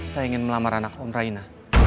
saya ingin melamar anak om raina